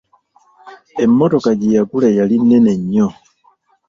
Emmotoka gye yagula yali nnene nnyo.